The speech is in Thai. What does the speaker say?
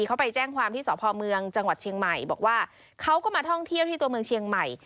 เขาไปแจ้งความที่สพเมืองจังหวัดเชียงใหม่บอกว่าเขาก็มาท่องเที่ยวที่ตัวเมืองเชียงใหม่